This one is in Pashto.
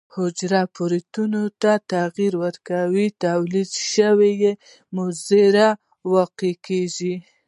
حجروي پروتینونو ته تغیر ورکوي او تولید شوي یې مضر واقع کیږي.